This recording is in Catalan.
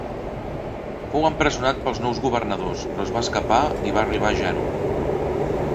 Fou empresonat pels nous governadors, però es va escapar i va arribar a Gènova.